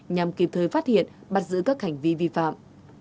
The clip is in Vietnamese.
nhằm kịp thời phát hiện bắt giữ các hành vi vi phạm